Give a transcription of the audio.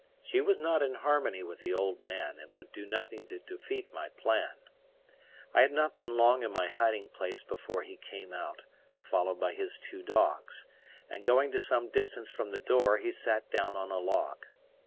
She was not in harmony with the old man, and would do nothing to defeat my plan. I had not been long in my hiding place before he came out, followed by his two dogs, and going to some distance from the door, he sat down on a log.